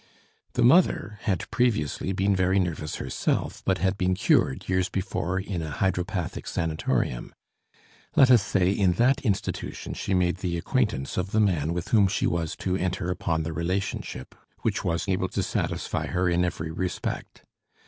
The mother had previously been very nervous herself, but had been cured years before in a hydropathic sanatorium. Let us say, in that institution she made the acquaintance of the man with whom she was to enter upon the relationship which was able to satisfy her in every respect.